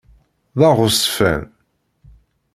D aɣezfan.